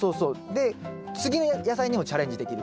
で次の野菜にもチャレンジできるから。